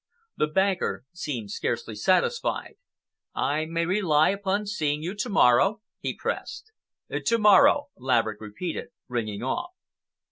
The banker seemed scarcely satisfied. "I may rely upon seeing you to morrow?" he pressed. "To morrow," Laverick repeated, ringing off.